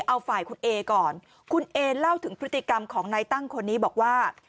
เอาฝ่ายคุณเอก่อนคุณเอเล่าถึงพฤติกรรมของนายตั้งคนนี้บอกว่า